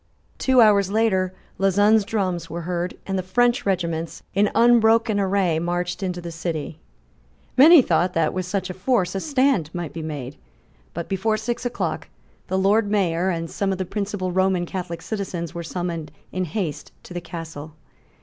Two hours later Lauzun's drums were heard; and the French regiments, in unbroken array, marched into the city, Many thought that, with such a force, a stand might still be made. But, before six o'clock, the Lord Mayor and some of the principal Roman Catholic citizens were summoned in haste to the Castle.